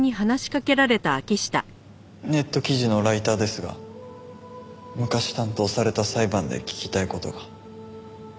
ネット記事のライターですが昔担当された裁判で聞きたい事が。